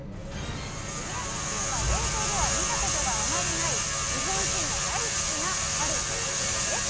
売り上げ１位は冷凍では見たことがあまりない日本人が大好きなある食品です。